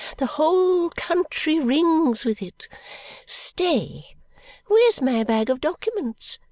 The whole country rings with it. Stay! Where's my bag of documents?